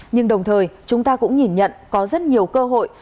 nhưng đồng thời chúng ta cũng nhìn nhận có rất nhiều cơ hội